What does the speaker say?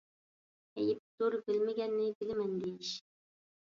ئەيىبتۇر بىلمىگەننى بىلىمەن دېيىش.